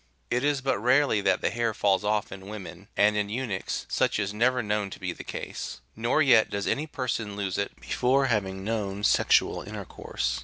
It is but rarely that the hair falls off in women, and in eunuchs such is never known to be the case ; nor yet does any person lose it before having known sexual intercourse.